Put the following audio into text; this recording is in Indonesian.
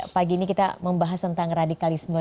pagi ini kita membahas tentang radikalisme